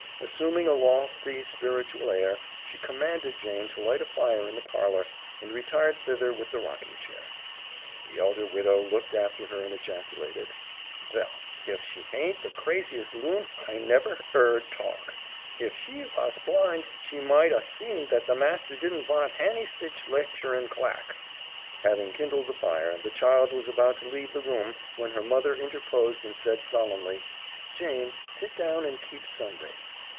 Assuming a lofty, spiritual air, she commanded Jane to light a fire in the parlor, and retired thither with the rocking chair. The elder widow looked after her and ejaculated, "Vell, hif she haint the craziest loon hi hever 'eard talk. Hif she vas blind she might 'a' seen that the master didn't vant hany sich lecturin' clack." Having kindled the fire, the child was about to leave the room when her mother interposed and said solemnly, "Jane, sit down and keep Sunday."